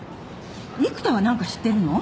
育田は何か知ってるの？